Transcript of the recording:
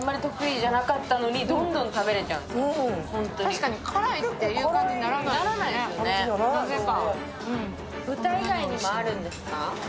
確かに辛いっていう感じにならない、なぜか。